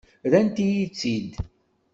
Rrant-iyi-tt-id.